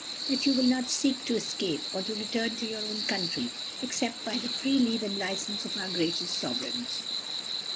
That you will not seek to escape, or to return to your own country, except by the free leave and license of our gracious Sovereigns."